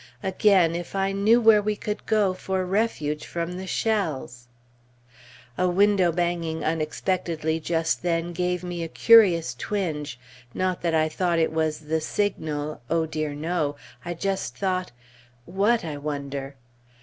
Again, if I knew where we could go for refuge from the shells! A window banging unexpectedly just then gave me a curious twinge; not that I thought it was the signal, oh, dear, no! I just thought what, I wonder?